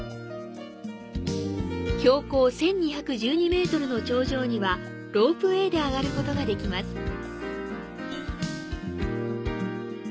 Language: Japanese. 標高１２１２ｍの頂上には、ロープウェイで上がることができます。